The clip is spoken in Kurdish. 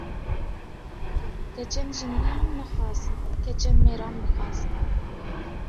Keçên jinbiyan nexwazin keçên mêran bixwazin